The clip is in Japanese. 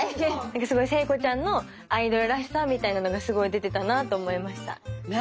聖子ちゃんのアイドルらしさみたいなのがすごい出てたなと思いました。ね？